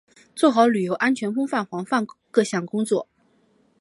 做好旅游安全风险防范各项工作